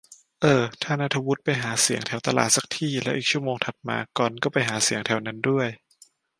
เอ้อ ถ้าณัฐวุฒิไปหาเสียงแถวตลาดซักที่ แล้วอีกชั่วโมงถัดมา กรณ์ก็ไปหาเสียงแถวนั้นด้วย